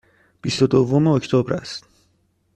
بیست و دوم اکتبر است.